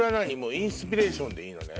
インスピレーションでいいのね？